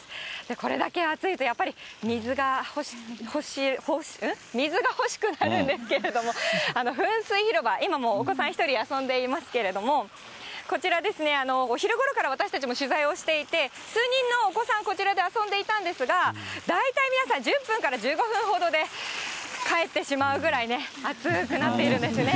これだけ暑いとやっぱり水が欲しくなるんですけれども、噴水広場、今もお子さん、１人遊んでいますけれども、こちらですね、お昼ごろから私たちも取材をしていて、数人のお子さん、こちらで遊んでいたんですが、大体皆さん１０分から１５分ほどで帰ってしまうぐらいね、暑くなっているんですね。